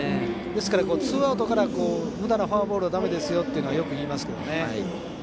ですからツーアウトからむだなフォアボールはだめだとよく言いますけどね。